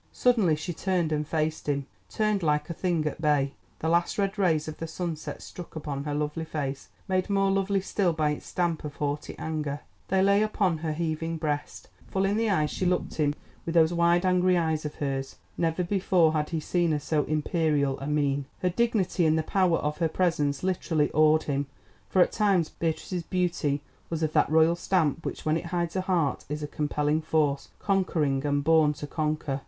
Suddenly she turned and faced him—turned like a thing at bay. The last red rays of the sunset struck upon her lovely face made more lovely still by its stamp of haughty anger: they lay upon her heaving breast. Full in the eyes she looked him with those wide angry eyes of hers—never before had he seen her wear so imperial a mien. Her dignity and the power of her presence literally awed him, for at times Beatrice's beauty was of that royal stamp which when it hides a heart, is a compelling force, conquering and born to conquer.